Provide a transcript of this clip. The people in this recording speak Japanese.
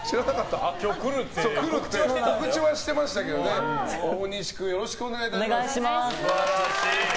今日来るって告知はしてましたけど大西君、よろしくお願いします。